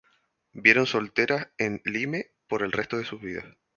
Vivieron solteras en Lyme por el resto de sus vidas.